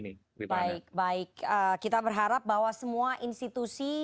kita berharap bahwa semua institusi